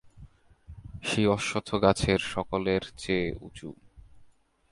সেই অশথ গাছের সকলের চেয়ে উঁচু।